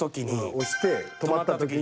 押して止まった時に。